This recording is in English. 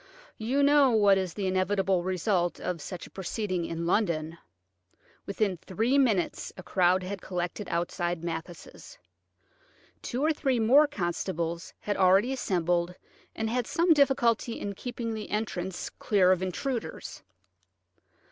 You know what is the inevitable result of such a proceeding in London. Within three minutes a crowd had collected outside Mathis'. Two or three more constables had already assembled, and had some difficulty in keeping the entrance clear of intruders.